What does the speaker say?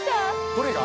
どれが！？